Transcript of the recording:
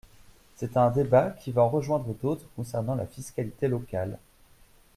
C’est un débat qui va en rejoindre d’autres concernant la fiscalité locale.